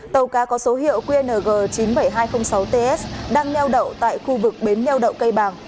tàu cá có số hiệu qng chín mươi bảy nghìn hai trăm linh sáu ts đang nheo đậu tại khu vực bến nheo đậu cây bàng